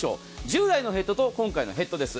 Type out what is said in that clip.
従来のヘッドと今回のヘッドです。